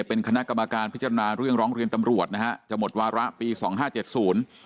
เป็นคณะกรรมการพิจารณาเรื่องร้องเรียนตำรวจนะฮะจะหมดวาระปีสองห้าเจ็ดศูนย์